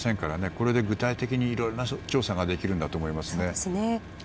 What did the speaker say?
これで具体的にいろいろ調査ができると思います。